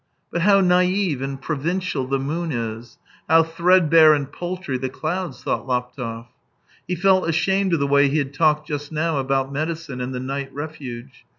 " But how naive and provincial the moon is, how threadbare and paltry the clouds!" thought Laptev. He felt ashamed of the way he had talked just now about medicine, and the night refuge.